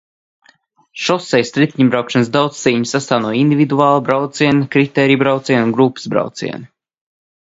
Šosejas riteņbraukšanas daudzcīņa sastāv no individuālā brauciena, kritērija brauciena un grupas brauciena.